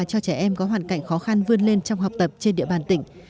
cho trẻ em có hoàn cảnh khó khăn vươn lên trong học tập trên địa bàn tỉnh